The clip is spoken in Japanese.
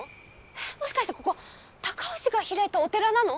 えっもしかしてここ尊氏が開いたお寺なの？